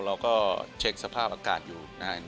เราก็เช็คสภาพอากาศอยู่นะครับ